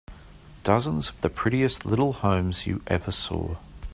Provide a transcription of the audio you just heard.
Dozens of the prettiest little homes you ever saw.